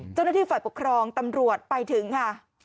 เจ้าหน้าที่ฝ่ายปกครองตำรวจไปถึงค่ะ